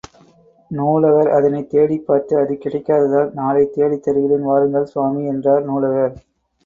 நூலகர் அதனைத் தேடிப் பார்த்து அது கிடைக்காததால், நாளை தேடித் தருகிறேன் வாருங்கள் சுவாமி என்றார் நூலகர்.